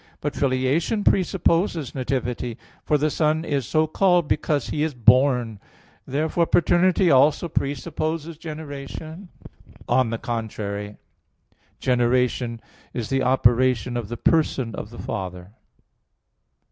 But filiation presupposes nativity; for the Son is so called because He is born. Therefore paternity also presupposes generation. On the contrary, Generation is the operation of the person of the Father.